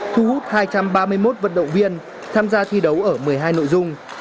thu hút hai trăm ba mươi một vận động viên tham gia thi đấu ở một mươi hai nội dung